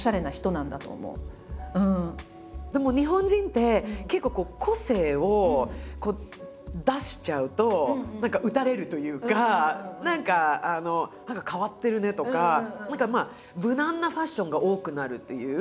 でも日本人って結構個性を出しちゃうと何か打たれるというか何か何か変わってるねとか何か無難なファッションが多くなるという感じだと思うんですよね。